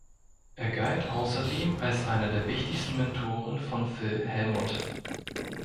Er galt außerdem als einer der wichtigsten Mentoren von Phil Hellmuth.